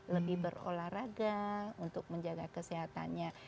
lebih berolahraga untuk menjaga kesehatannya